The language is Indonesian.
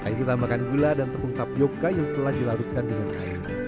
nah itu tambahkan gula dan tepung tapioca yang telah dilarutkan dengan air